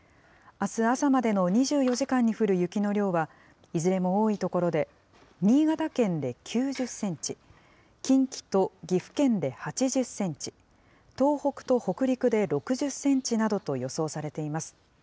あす朝までの２４時間に降る雪の量は、いずれも多い所で新潟県で９０センチ、近畿と岐阜県で８０センチ、東北と北陸で６０センチなどと予想されています。